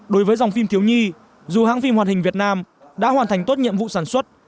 đối với dòng phim thiếu nhi dù hãng phim hoàn hình việt nam đã hoàn thành tốt nhiệm vụ sản xuất